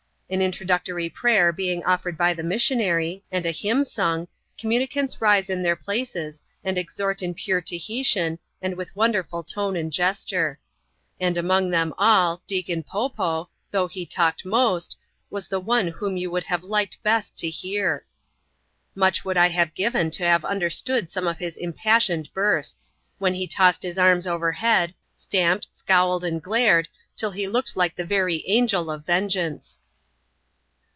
An introductory prayer being offered by the missionary, and a hymn sung, communicants rise in liieir places, and exhort in pure Tahitian, and with won derful tone and gesture. And amcmg them all, Deacon Po Fo^ though he talked most, was the one whom you would have liked best to hear. Much would I have given to have imderstood «oime of his impassioned bursts ; when he tossed his arms over head, stamped, scowled, and glared, till he looked like the very Angel €£ Vengeance.